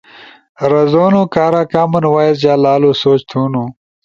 رازونو کارا کامن وائس جا لالو سوچ تھونُو